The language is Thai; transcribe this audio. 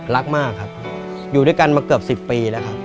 รักมากครับอยู่ด้วยกันมาเกือบ๑๐ปีแล้วครับ